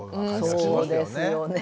そうですよね。